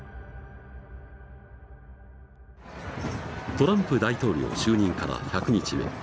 トランプ大統領就任から１００日目。